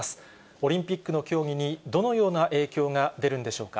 オリンピックの競技に、どのような影響が出るんでしょうか。